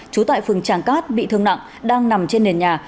trú tại phường tràng cát bị thương nặng đang nằm trên nền nhà